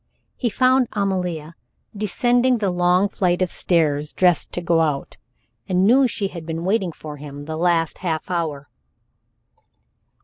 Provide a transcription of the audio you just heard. He found Amalia descending the long flight of stairs, dressed to go out, and knew she had been awaiting him for the last half hour.